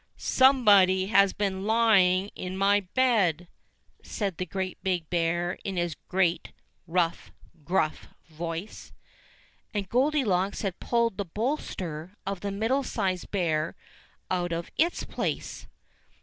"SOMEBODY HAS BEEN LYING IN MY BED!" said the Great Big Bear in his great, rough, gruff voice. And Goldilocks had pulled the bolster of the Middle sized Bear out of its place.